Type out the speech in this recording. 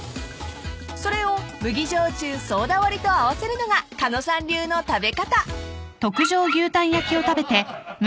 ［それを麦焼酎ソーダ割りと合わせるのが狩野さん流の食べ方］